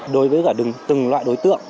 đối với cả từng loại đối tượng